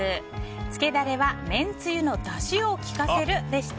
つけダレはめんつゆのだしをきかせるでした。